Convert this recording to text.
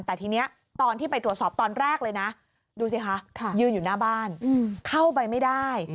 แต่ทีนี้ตอนที่ไปตรวจสอบตอนแรกเลยนะดูสิคะยืนอยู่หน้าบ้านเข้าไปไม่ได้